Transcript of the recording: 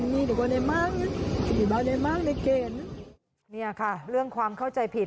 นี่ค่ะเรื่องความเข้าใจผิด